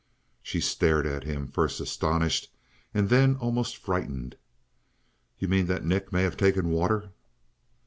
She stared at him, first astonished, and then almost frightened. "You mean that Nick may have taken water?"